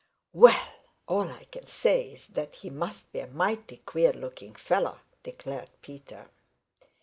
"Well, all I can say is that he must be a mighty queer looking fellow," declared Peter.